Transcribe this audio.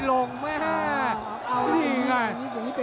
ลองมั่นใช้ได้